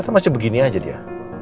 itu masih begini aja dia